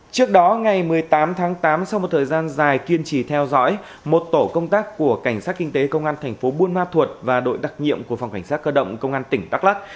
trước đó ngày một mươi tám tháng tám sau một thời gian dài kiên trì theo dõi một tổ công tác của cảnh sát kinh tế công an thành phố buôn ma thuột và đội đặc nhiệm của phòng cảnh sát cơ động công an tỉnh đắk lắc